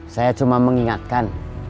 saya cuma mengingatkan